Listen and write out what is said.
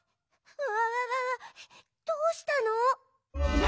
うわわわどうしたの！？